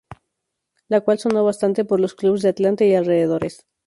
La cual sonó bastante por los clubs de Atlanta y alrededores.